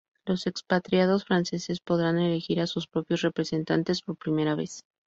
Los expatriados franceses podrán elegir a sus propios representantes por primera vez.